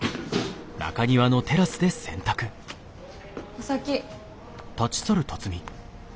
お先。